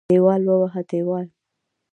دېوال ووهه دېوال.